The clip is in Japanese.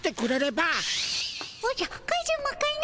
おじゃカズマかの？